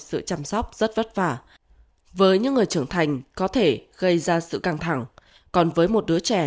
sự chăm sóc rất vất vả với những người trưởng thành có thể gây ra sự căng thẳng còn với một đứa trẻ